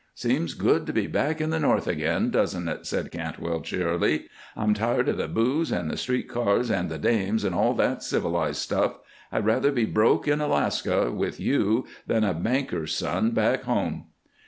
"Seems good to be back in the North again, doesn't it?" said Cantwell, cheerily. "I'm tired of the booze, and the street cars, and the dames, and all that civilized stuff. I'd rather be broke in Alaska with you than a banker's son, back home."